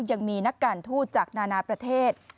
ยังมีนักการทูตจากนานาประเทศ